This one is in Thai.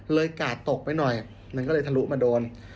กาดตกไปหน่อยมันก็เลยทะลุมาโดน